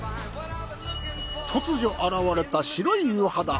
突如現れた白い岩肌。